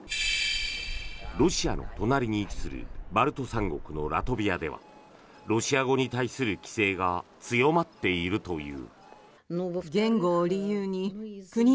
ロシアの隣に位置するバルト三国のラトビアではロシア語に対する規制が強まっているという。